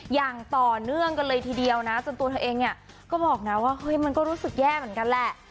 อย่างต่อเนื่องกันเลยทีเดียวนะจนตัวเธอเองเนี่ยก็บอกนะว่าเฮ้ยมันก็รู้สึกแย่เหมือนกันแหละ